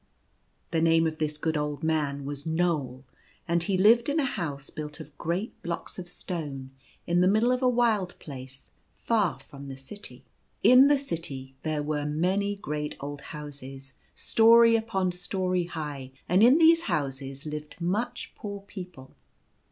The name of this good old man was Knoal, and he lived in a house built of great blocks of stone, in the middle of a wild place far from the city. In the city there were many great old houses, storey upon storey high ; and in these houses lived much poor people.